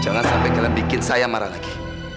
jangan sampai kita bikin saya marah lagi